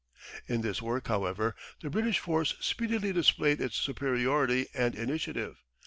In this work, however, the British force speedily displayed its superiority and initiative.